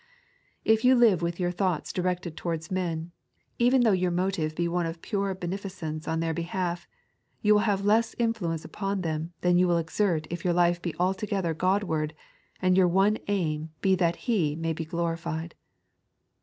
If you live with your thoughts directed towards men, even though your motive be one of pure beneficence on their behalf, you will have less influence upon them than you will exert if yotir life be altogeUier Qodward, and your one aim be that He may be glorified.